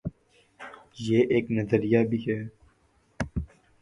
یہ ایک نظریہ بھی ہے